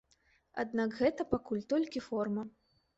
Аднак гэта пакуль толькі форма.